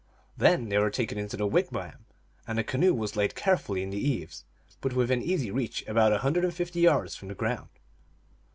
Then they were taken into the wigwam, and the canoe was laid carefully in the eaves, but within easy reach, about a hundred and fifty yards from the ground.